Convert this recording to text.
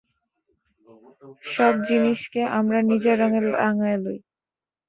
সব জিনিষকে আমরা নিজের রঙে রাঙাইয়া লই।